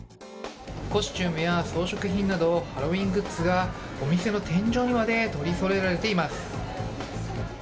コスチュームや装飾品などハロウィーングッズがお店の天井にまで取りそろえられています。